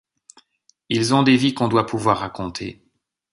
Ils ont des vies, qu'on doit pouvoir raconter.